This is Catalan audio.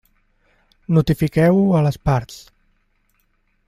Notifiqueu-ho a les parts.